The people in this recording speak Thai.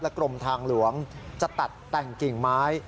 กรมทางหลวงจะตัดแต่งกิ่งไม้